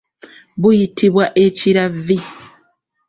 Buyitibwa ekiravvi.